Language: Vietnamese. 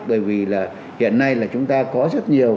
bởi vì là hiện nay là chúng ta có rất nhiều